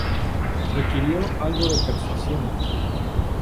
Requirió algo de persuasión.